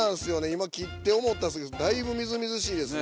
今切って思ったんすけどだいぶみずみずしいですね。